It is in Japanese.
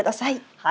はい。